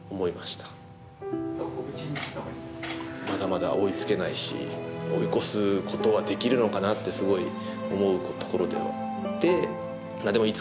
まだまだ追いつけないし追い越すことはできるのかなってすごい思うところではあって。